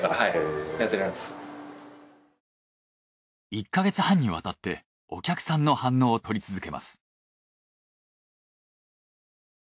１か月半にわたってお客さんの反応を取り続けます。